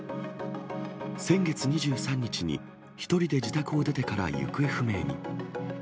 先月２３日に１人で自宅を出てから、行方不明に。